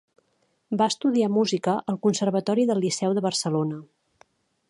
Va estudiar música al Conservatori del Liceu de Barcelona.